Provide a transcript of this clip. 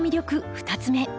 ２つ目。